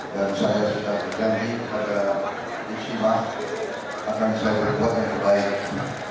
dan saya sudah berjanji kepada ijtima akan bisa berbuat yang terbaik